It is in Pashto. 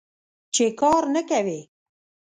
چې کار نه کوې.